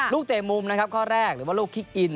ลูกเตะมุมข้อแรกหรือว่าลูกคิกอิน